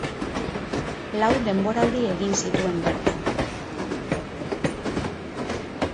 Lau denboraldi egin zituen bertan.